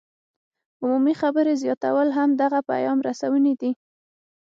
عمومي خبرې زیاتول هم د پیغام رسونې لپاره